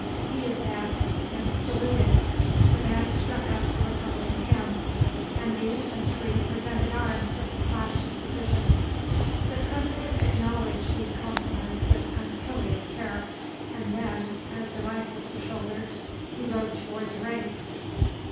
He advanced and saluted; the band struck up the Republican Hymn, and the infantry presented arms with a clash of precision. The President acknowledged these compliments with punctilious care; and then, as the rifles were shouldered, he rode towards the ranks.